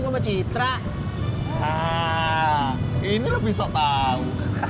ngomong citra ini lebih so tau